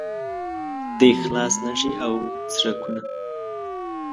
د اخلاص نښې او څرکونه